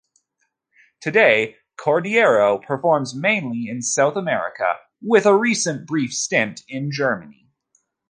Today Cordeiro performs mainly in South America, with a recent brief stint in Germany.